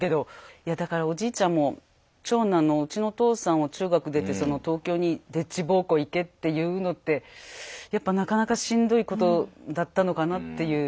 いやだからおじいちゃんも長男のうちのお父さんを中学出て東京にでっち奉公行けって言うのってやっぱなかなかしんどいことだったのかなっていう。